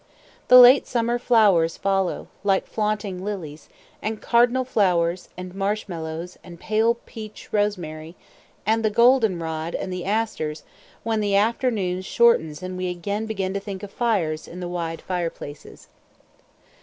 The late summer flowers follow, the flaunting lilies, and cardinal flowers, and marshmallows, and pale beach rosemary; and the goldenrod and the asters when the afternoons shorten and we again begin to think of fires in the wide fireplaces.